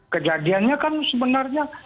kejadiannya kan sebenarnya